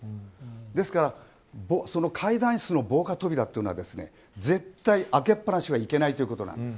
ですから会談室の防火扉というのは絶対、開けっ放しはいけないということなんです。